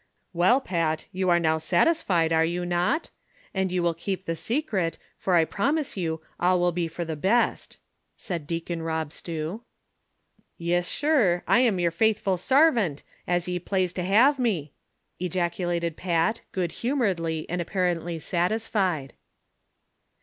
" Well, Pat, you are now satisfied, are you not V And you will keep the secret, for I promise you, all will be for the best," said Deacon Rob Stew. " Yis, sur, I am yer fathf ul sarvant, as ye plaze to have me," ejaculated Pat, good humoredly and apparently sat isfied.